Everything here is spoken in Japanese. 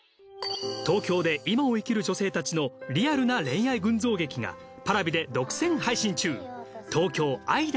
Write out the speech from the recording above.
東京で今を生きる女性たちのリアルな恋愛群像劇がＰａｒａｖｉで独占配信中。